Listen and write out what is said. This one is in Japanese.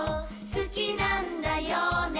「好きなんだよね？」